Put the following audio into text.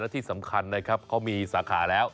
ที่สำคัญนะครับเขามีสาขาแล้ว